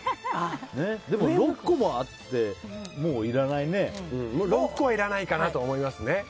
でも、６個もあって６個入らないかなと思いますね。